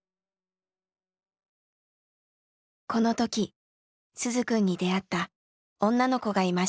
この時鈴くんに出会った女の子がいました。